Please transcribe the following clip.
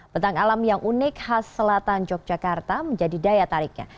bentang alam yang unik khas selatan yogyakarta menjadi daya tariknya